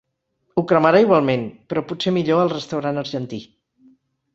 Ho cremarà igualment, però potser millor al restaurant argentí.